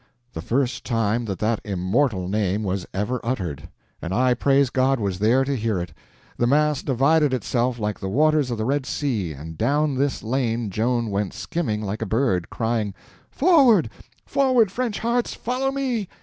The first time that that immortal name was ever uttered—and I, praise God, was there to hear it! The mass divided itself like the waters of the Red Sea, and down this lane Joan went skimming like a bird, crying, "Forward, French hearts—follow me!"